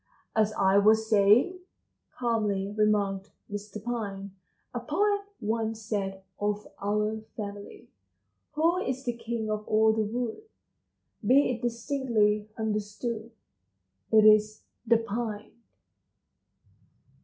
"As I was saying," calmly remarked Mr. Pine, "a poet once said of our family: Who is the king of all the wood? Be it distinctly understood It is the Pine!"